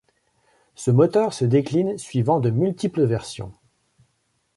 Ce moteur se décline suivant de multiples versions.